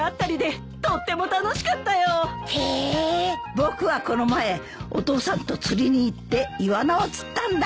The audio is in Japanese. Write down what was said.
僕はこの前お父さんと釣りに行ってイワナを釣ったんだ。